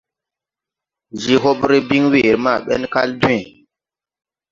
Je hobre bin weere maa bɛn kal dwęę.